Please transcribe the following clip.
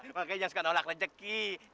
pak aji untuk rejeki